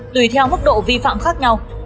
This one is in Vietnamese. tùy theo mức độ vi phạm khác nhau